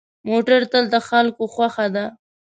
موټر تل د خلکو خوښه ده.